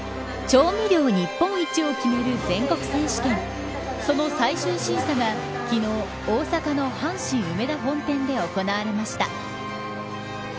調味料日本一を決める全国選手権その最終審査が昨日大阪の阪神梅田本店で行われました。